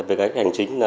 về cách hành chính